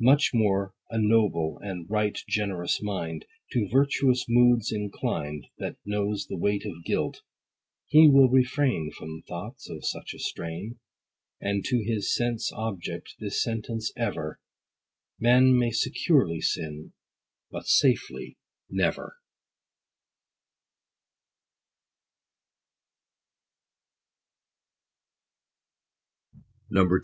Much more a noble, and right generous mind, To virtuous moods inclined That knows the weight of guilt ; he will refrain From thoughts of such a strain, And to his sense object this sentence ever, "Man may securely sin, but safely never."